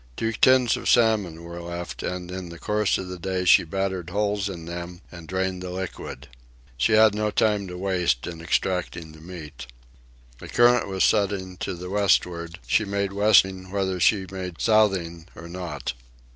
Two tins of salmon were left, and in the course of the day she battered holes in them and drained the liquid. She had no time to waste in extracting the meat. A current was setting to the westward, she made westing whether she made southing or not.